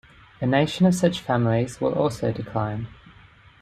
A nation of such families will also decline.